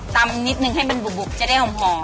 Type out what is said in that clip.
ตำนิดนึงให้มันบุบจะได้หอม